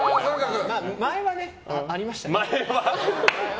前はね、ありましたけど。